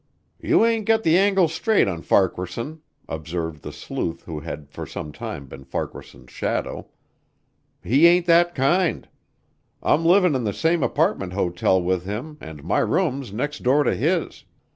"You ain't got the angle straight on Farquaharson," observed the sleuth who had for some time been Farquaharson's shadow. "He ain't that kind. I'm living in the same apartment hotel with him and my room's next door to his.